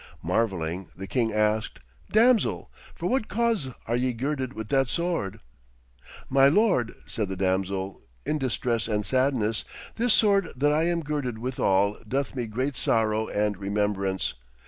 Marvelling, the king asked, 'Damsel, for what cause are ye girded with that sword?' 'My lord,' said the damsel, in distress and sadness, 'this sword that I am girded withal, doth me great sorrow and remembrance.